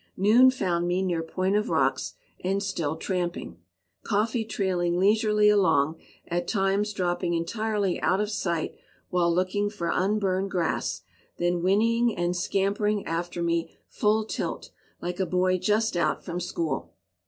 Noon found me near Point of Rocks and still tramping, "Coffee" trailing leisurely along, at times dropping entirely out of sight while looking for unburned grass, then whinnying and scampering after me full tilt, like a boy just out from school.